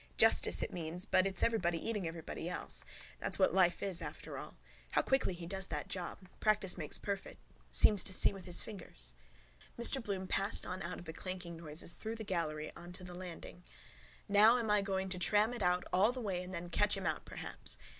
Justice it means but it's everybody eating everyone else. That's what life is after all. How quickly he does that job. Practice makes perfect. Seems to see with his fingers. Mr Bloom passed on out of the clanking noises through the gallery on to the landing. Now am I going to tram it out all the way and then catch him out perhaps.